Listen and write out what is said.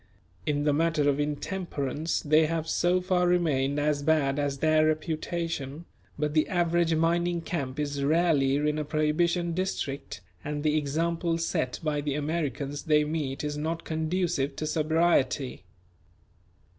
In the matter of intemperance they have so far remained as bad as their reputation; but the average mining camp is rarely in a Prohibition district and the example set by the Americans they meet is not conducive to sobriety.